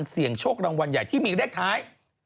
เสี่ยงโชครางวัลใหญ่ที่มีเลขท้าย